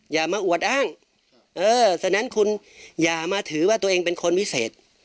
อย่ามาอวดอ้างเออฉะนั้นคุณอย่ามาถือว่าตัวเองเป็นคนพิเศษ